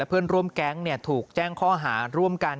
เพื่อนร่วมแก๊งถูกแจ้งข้อหาร่วมกัน